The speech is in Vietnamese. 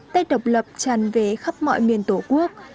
tết độc lập tràn về khắp mọi miền tổ quốc